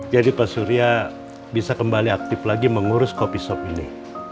pak surya bisa kembali aktif lagi mengurus kopi sop ini